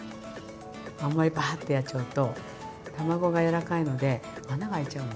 あんまりバーッてやっちゃうと卵が柔らかいので穴が開いちゃうの。